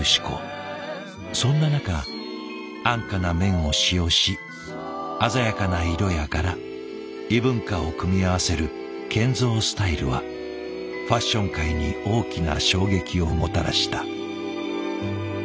そんな中安価な綿を使用し鮮やかな色や柄異文化を組み合わせるケンゾースタイルはファッション界に大きな衝撃をもたらした。